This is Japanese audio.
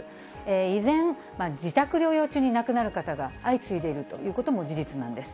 依然、自宅療養中に亡くなる方が相次いでいるということも事実なんです。